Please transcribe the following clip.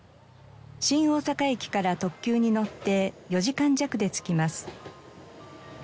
新大阪駅から特急に乗って４時間弱で着きます。